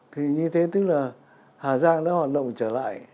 thì như thế tức là hà giang đã hoạt động trở lại